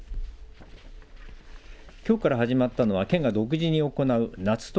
きょうから始まったのは県が独自に行う夏得！